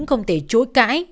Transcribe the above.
không thể chối cãi